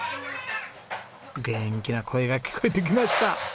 元気な声が聞こえてきました。